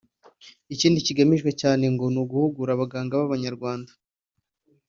Ikindi kigamijwe cyane ngo ni uguhugura abaganga b’Abanyarwanda